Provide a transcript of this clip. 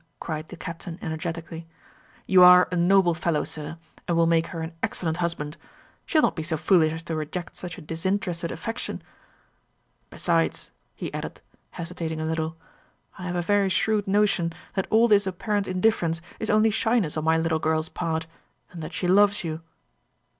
cried the Captain energetically. "You are a noble fellow, sir, and will make her an excellent husband. She will not be so foolish as to reject such a disinterested affection. Besides," he added, hesitating a little, "I have a very shrewd notion that all this apparent indifference is only shyness on my little girl's part, and that she loves you."